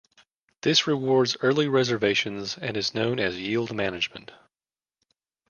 This rewards early reservations, and is known as "yield management".